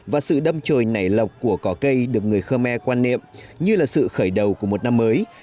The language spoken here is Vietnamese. và sự đâm trồi nảy lọc của cỏ cây được người khơ me quan niệm như là sự khởi đầu của một năm mới